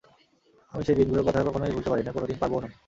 আমি সেই দিনগুলোর কথা কখনোই ভুলতে পারি না, কোনো দিন পারবও না।